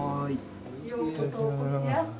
ようこそおこしやす。